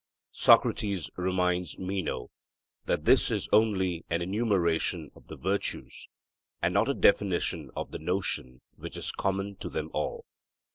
Socrates reminds Meno that this is only an enumeration of the virtues and not a definition of the notion which is common to them all.